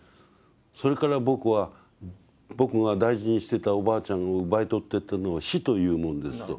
「それから僕は僕が大事にしてたおばあちゃんを奪い取ってったのは死というものです」と。